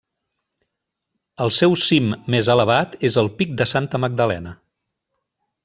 El seu cim més elevat és el Pic de Santa Magdalena.